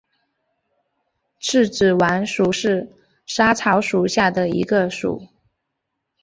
刺子莞属是莎草科下的一个属。